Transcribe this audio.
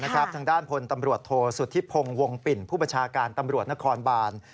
ทางด้านพลตำรวจโทษสุธิพงศ์วงปิ่นผู้บัญชาการตำรวจนครบาน